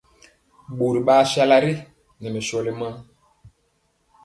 Ɓori ɓaa sala re nɛ mɛ sɔli maŋ.